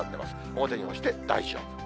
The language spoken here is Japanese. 表に干して大丈夫。